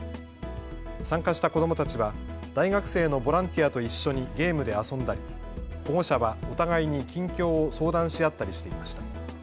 参加した子どもたちは大学生のボランティアと一緒にゲームで遊んだり、保護者はお互いに近況を相談し合ったりしていました。